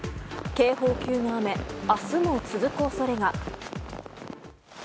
警報級の雨、明日も続く恐れが。